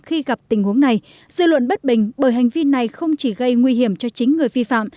khi gặp tình huống này dư luận bất bình bởi hành vi này không chỉ gây nguy hiểm cho chính người vi phạm